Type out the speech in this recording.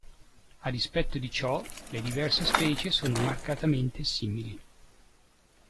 A dispetto di ciò, le diverse specie sono marcatamente simili.